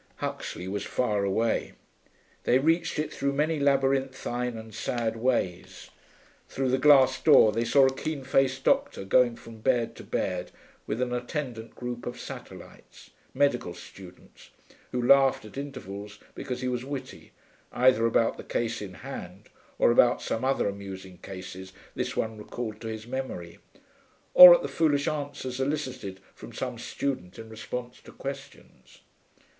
Huxley was far away. They reached it through many labyrinthine and sad ways. Through the glass door they saw a keen faced doctor going from bed to bed with an attendant group of satellites medical students, who laughed at intervals because he was witty, either about the case in hand or about some other amusing cases this one recalled to his memory, or at the foolish answers elicited from some student in response to questions.